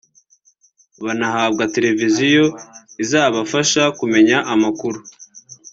banahabwa televiziyo izabafasha kumenya amakuru